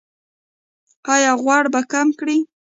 ایا غوړ به کم کړئ؟